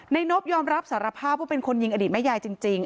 นบยอมรับสารภาพว่าเป็นคนยิงอดีตแม่ยายจริง